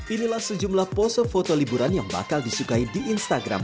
inilah sejumlah pose foto liburan yang bakal disukai di instagram